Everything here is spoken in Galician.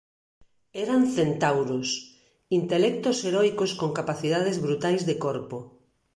Eran centauros: intelectos heroicos con capacidades brutais de corpo.